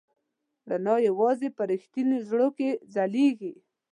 رڼا یواځې په رښتوني زړه کې ځلېږي.